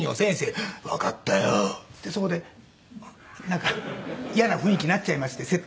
「わかったよ」っていってそこでなんか嫌な雰囲気になっちゃいましてセットが。